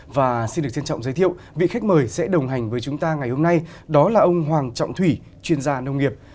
và xin được trân trọng giới thiệu vị khách mời sẽ đồng hành với chúng ta ngày hôm nay đó là ông hoàng trọng thủy chuyên gia nông nghiệp